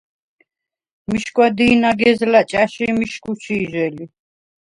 მიშგვა დი̄ნაგეზლა̈ ჭა̈ში მიშგუ ჩი̄ჟე ლი.